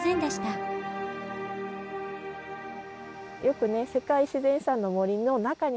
よくね世界自然遺産の森の中に。